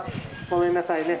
ごめんなさいね。